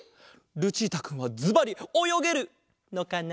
ルチータくんはズバリおよげるのかな？